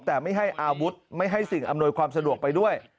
แต่ไม่ให้อาวุธไม่ให้สิ่งอำนวยความสะดวกไปด้วย